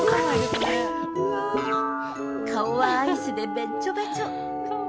顔はアイスでべっちょべちょ。